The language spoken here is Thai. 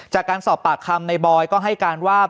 จากการสอบปากคำในบอยก็ให้การว่า